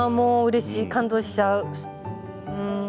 うれしい、感動しちゃう。